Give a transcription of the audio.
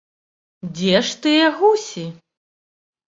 Дзе ж тыя гусі?